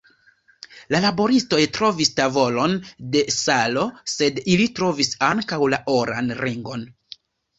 La laboristoj trovis tavolon de salo, sed ili trovis ankaŭ la oran ringon.